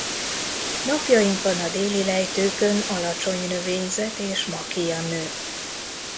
Napjainkban a déli lejtőkön alacsony növényzet és makija nő.